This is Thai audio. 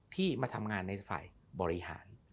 ที่มาทำงานในฝ่ายบริหาร